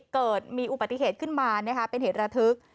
เกิดมีอุบัติเหตุขึ้นมาเป็นเหตุระทึก